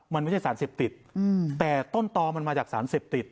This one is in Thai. มันไม่ใช่สารเสพติดแต่ต้นตอมันมาจากสารเสพติด